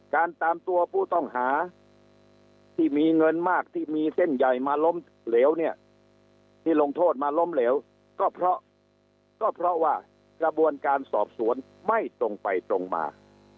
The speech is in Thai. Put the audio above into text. การตามตัวผู้ต้องหาที่มีเงินมากที่มีเส้นใหญ่มาล้มเหลวเนี่ยที่ลงโทษมาล้มเหลวก็เพราะก็เพราะว่ากระบวนการสอบสวนไม่ตรงไปตรงมา